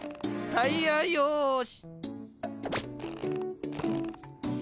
タイヤよし。